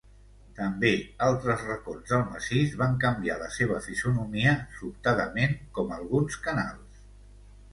També, altres racons del massís, van canviar la seva fisonomia sobtadament com alguns canals.